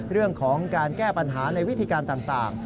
เรื่องของการแก้ปัญหาในวิธีการต่าง